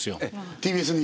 ＴＢＳに。